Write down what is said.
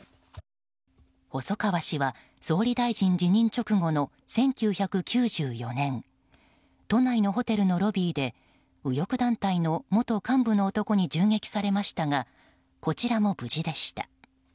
細川氏は総理大臣辞任直後の１９９４年都内のホテルのロビーで右翼団体の元幹部の男に銃撃されましたがこちらも無事でした。